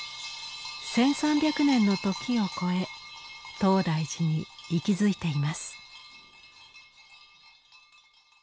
１，３００年の時を超え東大寺に息づいています。